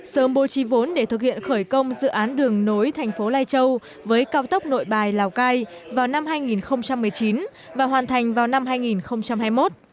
sớm bố trí vốn để thực hiện khởi công dự án đường nối thành phố lai châu với cao tốc nội bài lào cai vào năm hai nghìn một mươi chín và hoàn thành vào năm hai nghìn hai mươi một